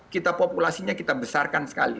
kita populasinya kita besarkan sekali